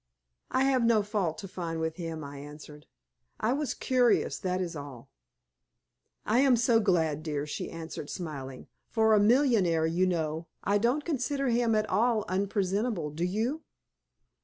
"I have no fault to find with him," I answered. "I was curious, that is all." "I am so glad, dear," she answered, smiling. "For a millionaire you know, I don't consider him at all unpresentable, do you?"